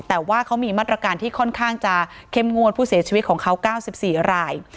แต่ว่าเขามีมาตรการที่ค่อนข้างจะเข้มงวดผู้เสียชีวิตของเขา๙๔ราย